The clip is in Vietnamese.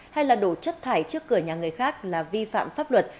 hay là đổ chất thải trước cửa nhà người khác là vi phạm pháp luật